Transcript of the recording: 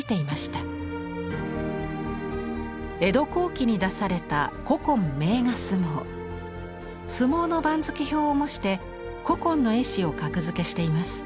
江戸後期に出された相撲の番付表を模して古今の絵師を格付けしています。